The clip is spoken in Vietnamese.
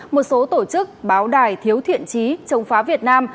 một số tổ chức báo đài thiếu thiện trí chống phá việt nam